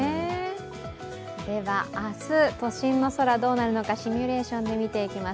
では、明日、都心の空どうなるのか、シミュレーションで見ていきます。